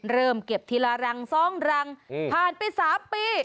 เริ่มเก็บทีละรัง๒รังผ่านไป๓ปี